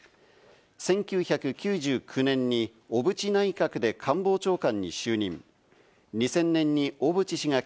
１９９９年に小渕内閣で官房長官に就任。